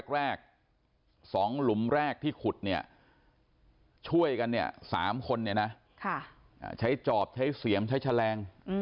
แรก๒หลุมแรกที่ขุดช่วยกัน๓คนใช้จอบใช้เสวียร์ท์ใช้แชรง